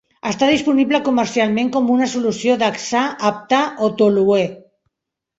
Està disponible comercialment com una solució en hexà, heptà, o toluè.